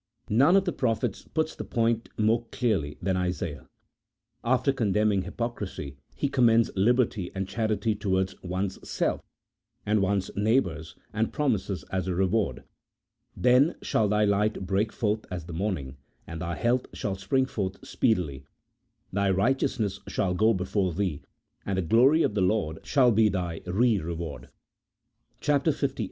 None of the prophets puts the point more clearly than Isaiah. After condemning hypocrisy, he commends liberty and charity towards one's self and one's neighbours, and promises as a reward :" Then shall thy light break forth as the morning, and thy health shall spring forth speedily, thy righteousness shall go before thee, and the glory of the Lord shall be thy rereward " (chap, lviii.